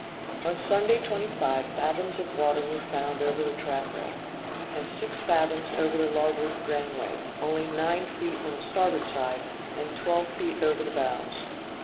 On Sunday 25 fathoms of water were found over the taffrail, and six fathoms over the larboard gangway; only nine feet on the starboard side, and 12 feet over the bows.